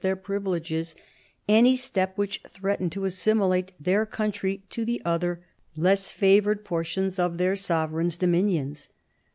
their privileges, any step which threatened to assimilate their country to the other less favoured portions of their sovereign's dominions.